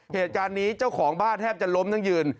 เหตุจานนี้เจ้าของบ้านแทบจะล้มคงจะยืน